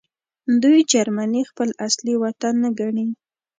دوی جرمني خپل اصلي وطن نه ګڼي